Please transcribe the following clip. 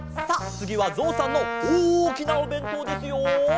つぎはぞうさんのおおきなおべんとうですよ。